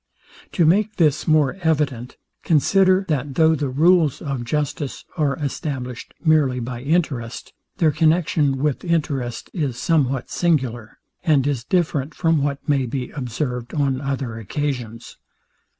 To make this more evident, consider, that though the rules of justice are established merely by interest, their connexion with interest is somewhat singular, and is different from what may be observed on other occasions.